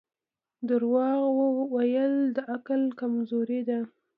• دروغ ویل د عقل کمزوري ده.